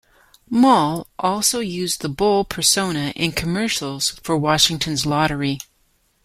Moll also used the Bull persona in commercials for Washington's Lottery.